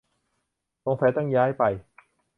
สงสัยต้องย้ายไป